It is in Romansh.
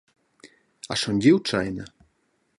Has schon giu tscheina?